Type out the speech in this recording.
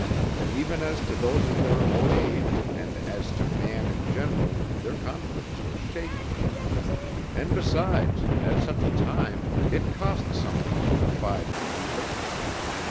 Even as to those of their own age and as to man in general their confidence was shaken. And besides, at such a time it cost something to confide in people!